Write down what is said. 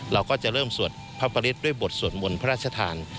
เราก็จะเริ่มสวดพระปริศด้วยบทสวดมนต์พระราชทาน